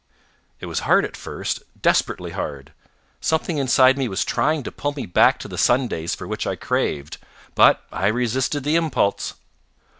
It was hard at first, desperately hard. Something inside me was trying to pull me back to the sundaes for which I craved, but I resisted the impulse.